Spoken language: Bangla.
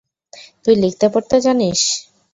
তুই লিখতে-পড়তে জানিস?